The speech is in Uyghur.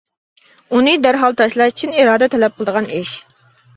ئۇنى دەرھال تاشلاش چىن ئىرادە تەلەپ قىلىدىغان ئىش.